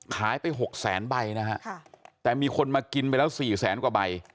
ขายไปหกแสนใบนะฮะแต่มีคนมากินไปแล้ว๔แสนกว่าใบ